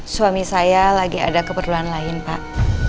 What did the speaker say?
suami saya lagi ada keperluan lain pak